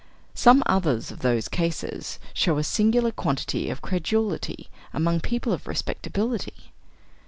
Some others of those cases show a singular quantity of credulity among people of respectability.